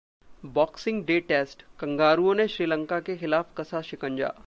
boxing day test कंगारुओं ने श्रीलंका के खिलाफ कसा शिकंजा